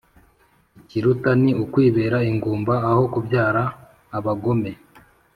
Ikiruta ni ukwibera ingumba aho kubyara abagome